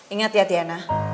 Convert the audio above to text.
ingat ya tiana